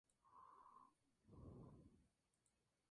Primo de Rivera pudo dar ancla sin oposición frente al muelle.